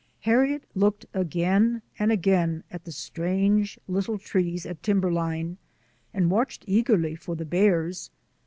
Harriet looked again and again at the strange little trees at timberline and watched eagerly for the bears.